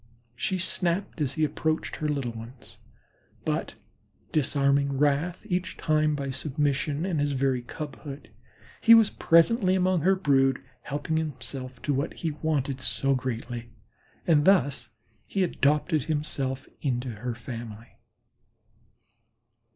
She snarled as he approached her own little ones, but disarming wrath each time by submission and his very cubhood, he was presently among her brood, helping himself to what he wanted so greatly, and thus he adopted himself into her family.